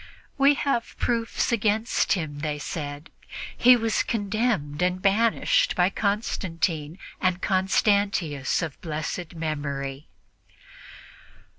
"We have proofs against him," they said; "he was condemned and banished by Constantine and Constantius of blessed memory."